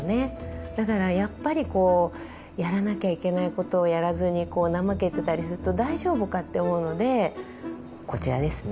だからやっぱりこうやらなきゃいけないことをやらずになまけてたりすると大丈夫かって思うのでこちらですね。